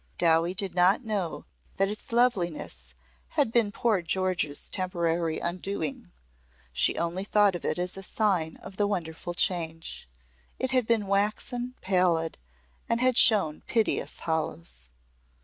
Dowie did not know that its loveliness had been poor George's temporary undoing; she only thought of it as a sign of the wonderful change. It had been waxen pallid and had shown piteous hollows.